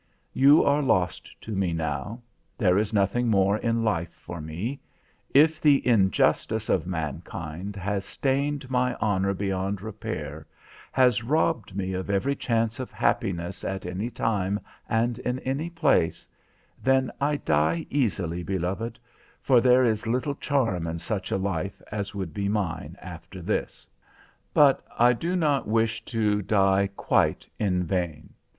You are lost to me now. There is nothing more in life for me. If the injustice of mankind has stained my honour beyond repair, has robbed me of every chance of happiness at any time and in any place, then I die easily, beloved, for there is little charm in such a life as would be mine after this. But I do not wish to die quite in vain.